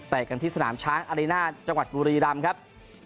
กันที่สนามช้างอารีน่าจังหวัดบุรีรำครับ